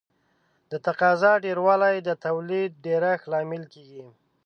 د تقاضا ډېروالی د تولید د ډېرښت لامل کیږي.